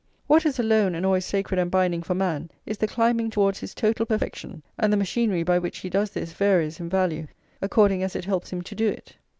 What is alone and always sacred and binding for man is the climbing towards his total perfection, and the machinery by which he does this varies in value according as it helps him to do it.